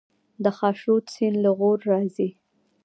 د خاشرود سیند له غور راځي